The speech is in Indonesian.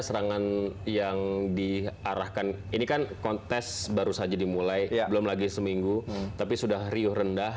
serangan yang diarahkan ini kan kontes baru saja dimulai belum lagi seminggu tapi sudah riuh rendah